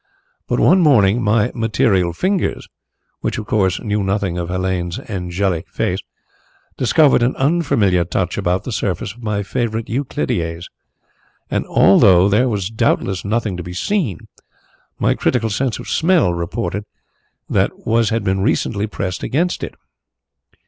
But one morning my material fingers which, of course, knew nothing of Helene's angelic face discovered an unfamiliar touch about the surface of my favourite Euclideas, and, although there was doubtless nothing to be seen, my critical sense of smell reported that wax had been recently pressed against it.